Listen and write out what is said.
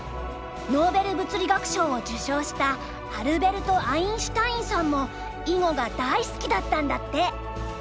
ノーベル物理学賞を授賞したアルベルト・アインシュタインさんも囲碁が大好きだったんだって！